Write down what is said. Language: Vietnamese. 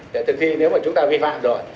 thì thực hiện nếu mà chúng ta vi phạm rồi